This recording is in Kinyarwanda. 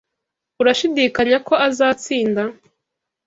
Urashidikanya ko azatsinda?